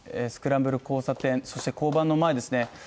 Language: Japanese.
スクランブル交差点そして交番の前ですね。